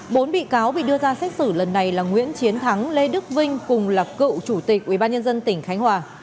bốn bị cáo bị đưa ra xét xử lần này là nguyễn chiến thắng lê đức vinh cùng là cựu chủ tịch ubnd tỉnh khánh hòa